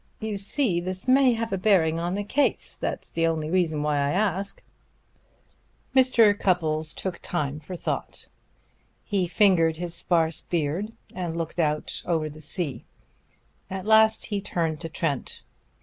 You see, this may have a bearing on the case; that's the only reason why I ask." Mr. Cupples took time for thought. He fingered his sparse beard and looked out over the sea. At last he turned to Trent.